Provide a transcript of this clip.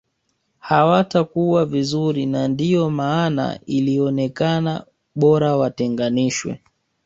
Hawatakua vizuri na ndio maana ilionekana bora watenganishwe